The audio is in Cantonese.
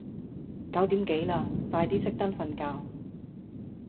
九點幾啦，快啲熄燈瞓覺